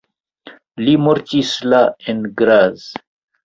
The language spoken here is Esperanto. Li mortis la en Graz.